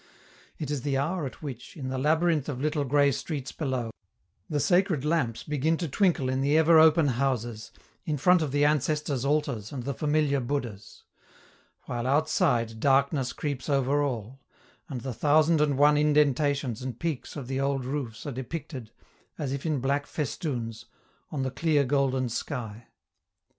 It is the hour at which, in the labyrinth of little gray streets below, the sacred lamps begin to twinkle in the ever open houses, in front of the ancestor's altars and the familiar Buddhas; while, outside, darkness creeps over all, and the thousand and one indentations and peaks of the old roofs are depicted, as if in black festoons, on the clear golden sky.